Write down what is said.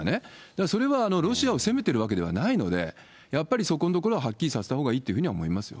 だからそれは、ロシアを攻めてるわけではないので、やっぱりそこのところははっきりさせたほうがいいと思いますよ。